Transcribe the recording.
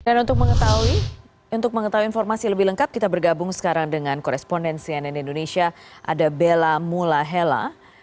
dan untuk mengetahui informasi lebih lengkap kita bergabung sekarang dengan korespondensi ann indonesia ada bella mulahela